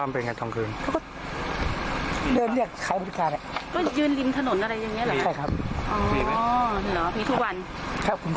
อ๋อมันมีรถแล้วเขาให้เรียกรถครับผม